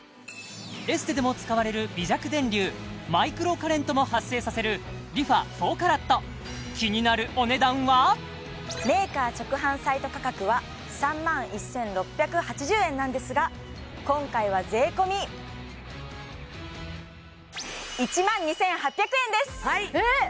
エステでも使われる微弱電流マイクロカレントも発生させるＲｅＦａ４ＣＡＲＡＴメーカー直販サイト価格は３万１６８０円なんですが今回は税込１万２８００円です！